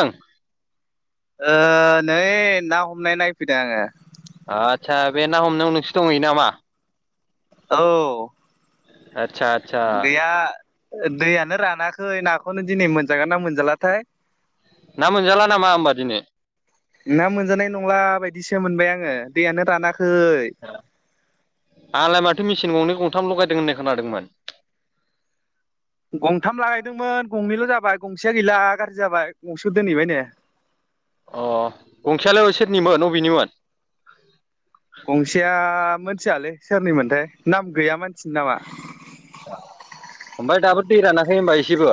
ओं ओ नै ना हमनाय नायफैदों आङो। आदसा बे ना हमनायाव नोंसो दंहैयो नामा? औ आदसा आदसा गैया दैयानो रानाख खै नाखौनो दिनै मोनजागोन ना मोनजालाथाय। ना मोनजाला नामा होमबा दिनै? ना मोनजानाय नंला बायदिसो मोनबाय आङो दैयानो रानाख आंलाय माथो मिसेन सिन गंनै गंथाम लगायदों होननाय खोनादोंमोन। गंथाम लागायदोंमोन गंनैल' जाबाय गंसेया गैला गाज्रि जाबाय गंसे दोनहैबाय नो। अ गंसेयाल' सेरनिमोन अबेनिमोन? गंसेया मोनथियालै सोरनिमोनथाय नाम गैया मानसिनि नामा। ओमफ्राय दाबो दै रानाखै होनबा एसेबो?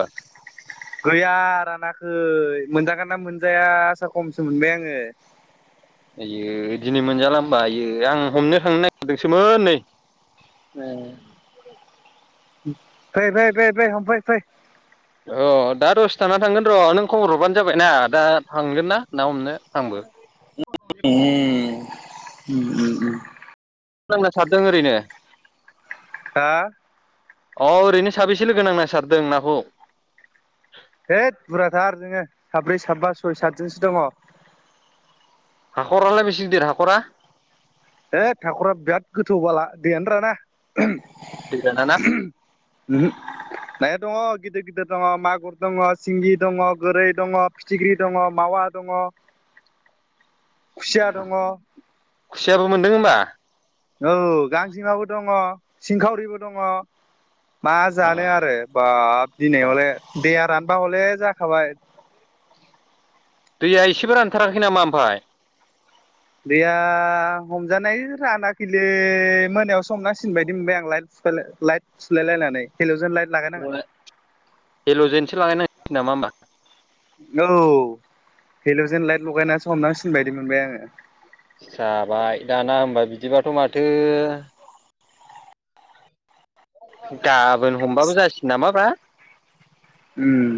गैया रानाखै। मोनजागोन ना मोनजाया आसा खमसो मोनबाय आङो। आइयै दिनै मोनजाला होमबा आयो आं हमनो थांनो नागिरदोंसोमोन नै। फैै फै हमफै फै। अ दा दसथाना थांगोन र' नों खबर हरबानो जाबाय ना दा थांगोन ना ना हमनो आंबो। [inaudible] उ उ नांना सारदों ओरैनो हा अ ओरैनो साबेसे लोगो नांना सारदों नाखौ हैद बुरजाथार जोङो साब्रै साबा सय सातजनसो दङ। हाख'रालाय बेसे देर हाखरा है हाखरा बिराद गोथौ बाला दैयानो राना दै राना ना नाया दङ। गिदिर गिदिर दङ मागुर दङ सिंगि दङ गोरै दङ फिथिख्रि दङ मावा दङ। [inaudible] खुसिया दङ औ खुसियाबो मोनदों होमबा? औ गांजेमाबो दङ सिंखावरिबो दङ। मा जानो आरो बाब दिनै हले दैेया रानबा हले जाखाबाय। दैया एसेबो रानथाराखै नामा ओमफ्राय गैया हमजानाय रानाखैलि मोनायावसो हमनांसिगोनबायदि मोनबाय आंलाय लाइटस सुलाइलायनानै हेल' जेनसो लागायनांसिगोन नामा होमबा औ हेल'जेन लाइट लगायनानैसो हमनांसिनबायदि मोनबाय आङो जाबाय दाना होमबा बिदिबाथ' माथो गाबोन हमबाबो जासिगोन नामा बा ओम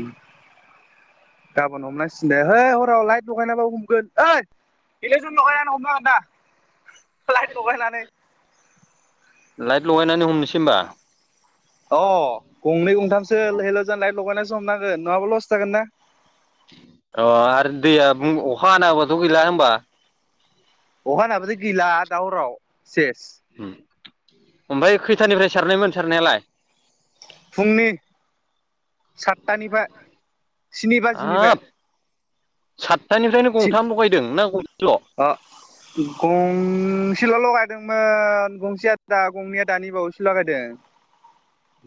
गाबोन हमनांसिनो दे है हराव लाइट लगायनाबाबो हमगोन ओद इलेकसन लगायनानै हमनांगोन ना लाइट लगायनानै लाइट लगायनानै हमनोसै होमबा अ गंनै गंथामसो हेल'जोन लाइथ लगायनानैसो हमनांगोन नङाबा लस जागोन ना अ आरो दैया अखा हाना होब्लााथ' गैला होनबा अखाहा नाबोथ' गैला दावराव सेस ओमफ्राय खैथानिफ्राय सारनायमोन सारनायालाय फुंनि सातथानिफ्राय स्नि बाजिनिफ्राय हाब सातथानिफ्रायनो गंथाम लगायदों ना गंसेल' सिल' लगायदोंमोन गंसे आ दा गंनैया दानि बावैसो लगायदों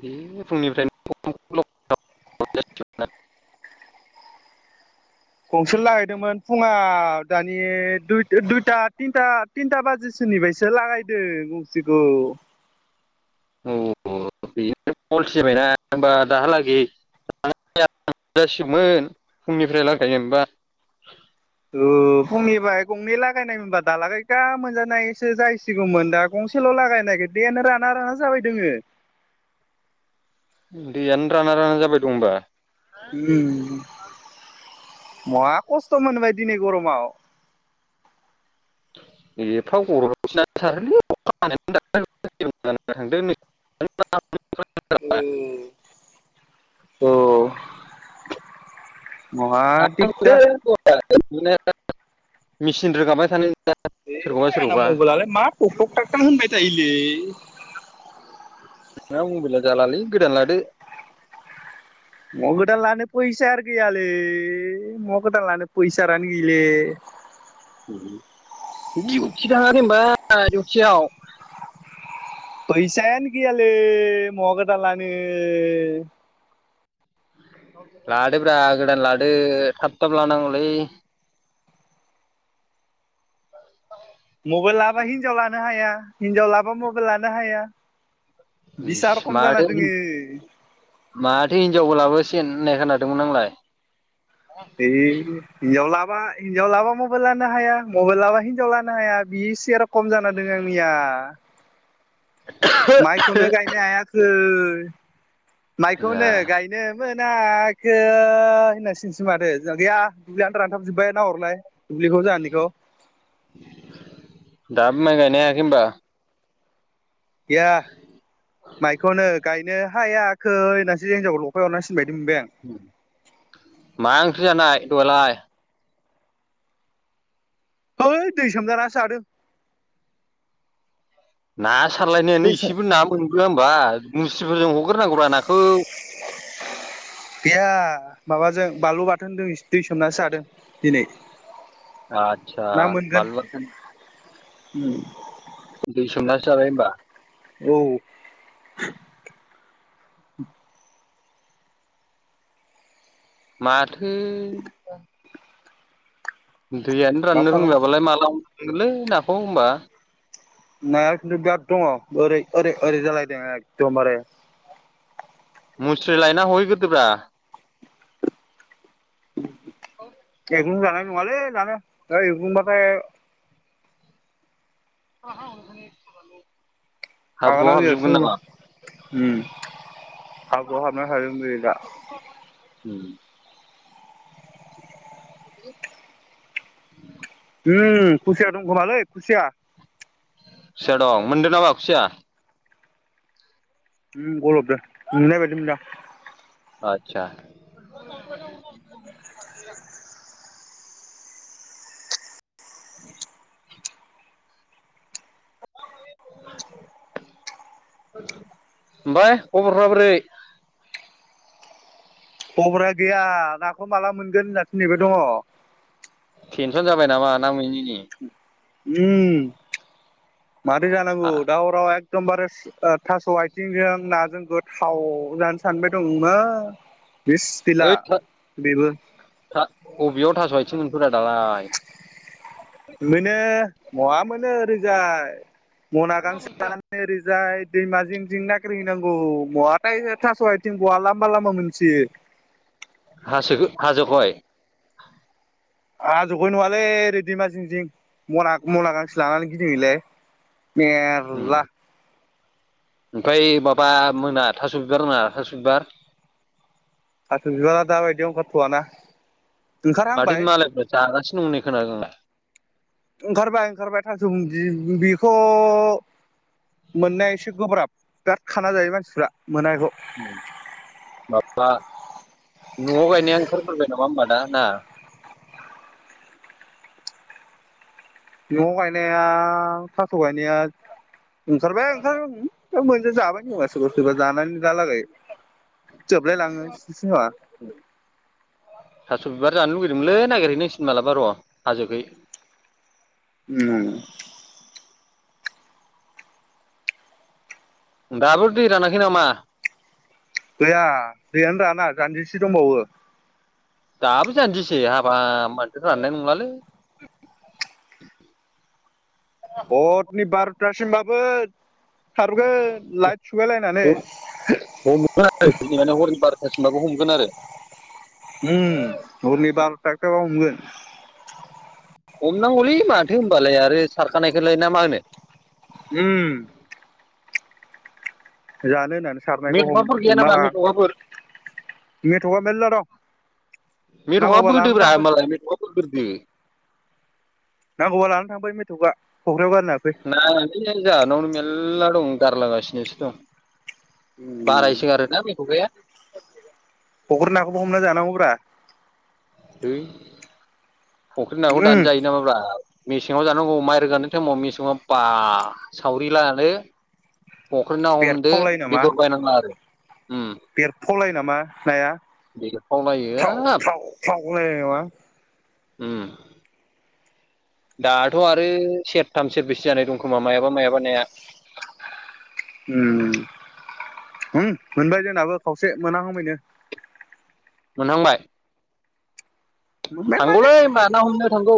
बे फुंनिफ्रायनो [unintelligible] गंसेल लाहैदोंमोन फुङाव दानि दुइ दुइथा थिन्था थिन्था बाजिसो -सोनिफ्रायसो लागायदों गंसेखौ [inaudible] औ ब [unintelligible] फलसि जाबायना होनबा दाहालागै जासिगौमोन फुंनिफ्राय लागायनायबा औ फुंनिफ्राय गंनै लागायनायमोनबा दालागैगा मोनजानायसो जाहैसिगौमोन दा गं गंसेल' लागायनो नागिरो दैयानो राना राना जाबाय दोङो दैयानो राना राना जाबाय दं हबा उम महा खस्थ' मोनबाय दिनै गरमाव एफा गर'स सारोलै थां [unintelligible] [unintelligible] औ मा थिगथार नो मेचिन रोगाबाय थानाय दे आंना मबाइलालाय मा थख थाखकटा होनबाय थायोलै नोंना मबाइला जालालै गोदान लादो म गोदान लानो फैस फैसा आरो गैयालै महा गोदान लानो फैसा रानो गैले। दिउति थांङा होनबा दिउतियाव? फैसायानो गैयाालै महा गोदान लानो। लादोब्रा गोदान लादो थाब थाब लानांगौलै। मबाइल लाबा हिनजाव लानो हाया हिनजाव लाबा मबाइल लानो हाया। इस बिसा रखम जाना माथो दोङो। माथो हिनजावबो लाबोसिगोन होननाय खोनादोंमोन आंलाय। ए हिनजाव बा हिनजाव लाबा मबाइल लानो हाया मबाइल लाबा हिनजाव लानो हाया बिसा रखम जाना दंङ आंनिया। हा? माइखौनो गायनो हायाखै ए माइखौनो गायनो मोनाखै होननां सिगोनसो माथो जों गैया दुब्लियानोथ रानथाबजोब्बाय ना हरलाय। बिखौ जाहानिखौ। दाबो माइ गायनो हायाखै होमबा? गैया माइखौनो गायनो हायाखै होननासो हिनजावखौ लफाय हरना सि मा ओंख्रि जानाय दहायलाय? है दै सोमजाना सो जादों। ना सारलायनायानो दै सोम इसेबो ना मोनबोआ होमबा मुस्रिफोरजों हग्रोनांगौ रा नाखौ। [inaudible] गैया माबाजों बानलु बाथोनदों दै सोमनासो जादों दिनै। आथसा बानलु बाथोन। उम। दै सोमनासो जाबाय होमबा? औ। माथो दैयानो मा राननो खालाम रोंलाबालाय माला हमनो मोनगोनलै नाखौ होमबा? नाया खिन्थु बेराद दंङ ओरै ओरै ओरै जालायदों एखदमबारे मुस्रि लायना हहैगोरदोब्रा। एग्लुजानाय नंङालै दानो दा एग्लुंबाथाय हाब्रुआव हाबजोबगोन नामा? उमम हाब्रुवाव हाबना थाजोबगोन बेयो दा। उम। [inaudible] उम खुसिया दं खोमालै खुसिया। खुसिया दं मोनदों नामा खुसिया? उम गलबदो नुनाय बायदि मोनदो। आतसा। [unintelligible] ओमफाय खबरफ्रा बोरै? खबरा गैया नाखौ माला मोनगोन होननासो नेबाय दंङ। तेनसन जाबाय नामा ना मोनि नि। उम मारै हा जानांगौ दा हराव एख दमबारे ओ थास' आथिंजों नाजों गोथाव जानो सानबाय दंमोन। बिस बिला ओइ था बेबो। था अबेयाव थास' आथिं मोनखोरा दालाय मोनो मवा मोनो ओरैजाय। मना गांसे लानानै ओरैजाय दैमा जिं जिं नागिरहैनांगौ महाथाय हो थास'आथिं बहा लामा लामा मोनसोयो? हासो हाजोखय? हाजोखै नंङालै ओरै दैमा जिं जिं मना मना गांसे लानानै गिदिंहैलाय। उम मेरला। ओमफ्राय माबा मोना थास' बिबार मोना थास' बिबार थास' बिबारा दाबायदियाव ओंखारथ'वाना माथो ओंखारहांबाय मालायफ्रा जागासिनो दं खोनादोंंना ओंखारबाय-ओंखारबाय थास' बुंदि बेखौ मोननाया एसे गोब्राब बिराद खाना जायो मानसिफ्रा मोना बेखौ बा न'आव गायनाया ओंखारग्रोबाय नामा होनबा दा ना न'आव गायनाया थास' गायनाया ओंखारबाय ओंखार दा मोनजा जाबाय खोमा सोरबा-सोरबा जानानै दालागै जोबलाय लाङो खोमा थास' बिबार जानो लुगैदोंमोनलै नागिरहैनांसिगोन मालाबा र' हाजोखै ओ दाबो दै रानाखै नामा ना जानजिसे दंबावो दाबो जानजिसे हाबाब माथो राननाय नंलालै हरनि बार'थासिमबाबो खारगोन लाइट सुलाय लायनानै दासमबाबो हमगोन आरो उउ हरनि बार' थाखाबा हमगोन हमनांगौलै माथो होनबालाय आरो सारखानायखौलाय ना मा होनो उम जानो होनना सारनायखौ हम मेथ'खाफोर गैया हमना नामा ला मेथ'खाफोर मेथखा मेरला दं मेथंआ नांगौबा लानानै बदोब्रा थांफै मालाय मेथंआ बोग्रोदो नांगौबा लानानै थांबाय मेथ'आ फक्रिआव नायनानै जाहोनावनो मेरला दं गारलगासिनोसो दं उम बारायसो गारोना मेथखाया फख्रि नाखौबो हमना जानांगौब्रा है फख्रि नाखौ उम दानो जायो नामाब्रा मेसेङाव जानांगौ माइ रोगानाय टाइमाव मेसेङाव बा सावरि लादो फख्रि ना हमदो बेदर बायनाङा आरो उम बेरफलाय नामा नाया बेरफावलायो फ्राव हाब फ्राव [unintelligible] उम दाथ' आरो सेरथाम सेरबैसो जानाय दं खोमा मायाबा मायाबाानायनाया उम मोनबाय जोंबो खावसे मोन हमैनो मोनहांबाय मोनबाय माने थांगौलै होमबा ना हमनो थांगौ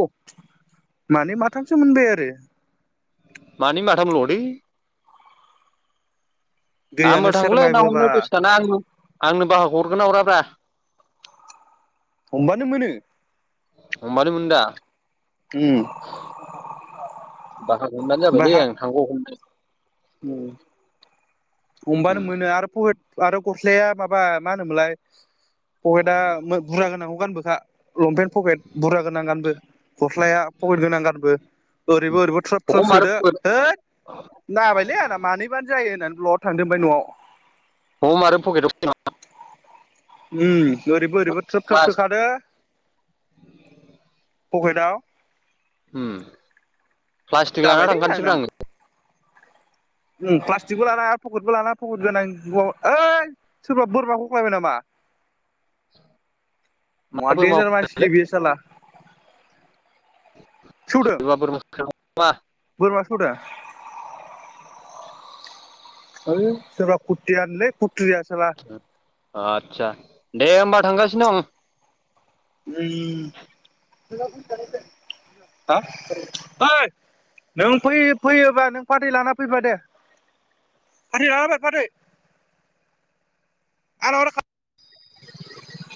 मानै माथामसो मोनबाय आरो मानै माथामल थै आंबो दैयानो थागौलै सेरमायबोबा दसे थाना आंनो बाहागो हरगोन हराब्रा हमबानो मोनो हमबानो मोनोदा उम बाहा हमबानो ओमफ्राय जाबायलै हा आं थांगौ हमनो हमबानो मोनो आरो पहे आरो गस्लाया माबा मा होनोमोनलाय पकेटा बुरजा गोनांखौ गानबोखा लंपेन्ट पकेट बुरजा गोनां गानबो गस्लाया पकेत गोनां गानबो ओरैबो ओरैबो थ्राब थ्राब हम आरो सोदो होय जाबायलै आंना मानैबानो जायो होननानै ब्लद थांदोबाय न'आव हम आरो पकेटआव उम ओरैबो ओरैबो थ्रोब थ्रोब सोखादो पकेदाव उम प्लास्टिक लाना जाबायलै थांखानोसैब्रा आङो प्लाटटिकबो लाना आरो पकेटबो लाना पकेट गोनां ओइ सोरबा बोरमा हख्लायबाय नामा? मा देन्जार मानसिलै बे साला सौदों सोरबाफोर मोन नामा थदा ओय सोरबा फुटि आन लै आदसा दे होमबा थांगासिनो दं। उम ओइ नों फै फैयोबा नों फाथै लाना फैबा दे। फाथै लाना फैल फाथै आरो